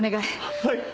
はい！